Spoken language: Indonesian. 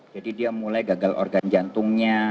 dia mulai gagal organ jantungnya